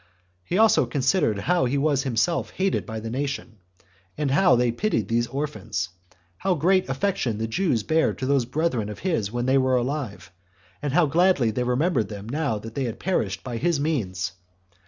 He also considered how he was himself hated by the nation, and how they pitied these orphans; how great affection the Jews bare to those brethren of his when they were alive, and how gladly they remembered them now they had perished by his means.